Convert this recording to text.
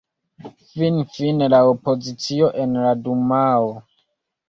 Finfine la opozicio en la dumao.